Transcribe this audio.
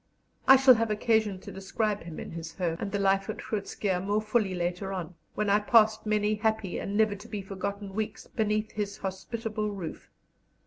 I shall have occasion to describe him in his home, and the life at Groot Schuurr, more fully later on, when I passed many happy and never to be forgotten weeks beneath his hospitable roof.